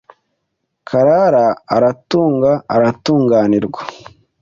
Karara aratunga aratunganirwa.